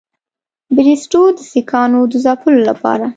بریسټو د سیکهانو د ځپلو لپاره.